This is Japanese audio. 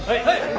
はい！